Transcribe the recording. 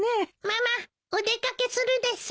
ママお出掛けするです。